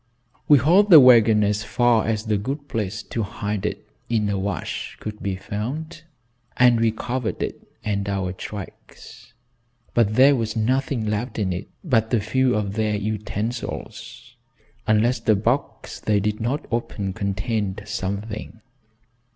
We hauled the wagon as far as a good place to hide it, in a wash, could be found, and we covered it and our tracks. But there was nothing left in it but a few of their utensils, unless the box they did not open contained something.